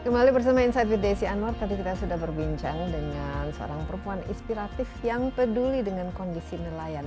kembali bersama insight with desi anwar tadi kita sudah berbincang dengan seorang perempuan inspiratif yang peduli dengan kondisi nelayan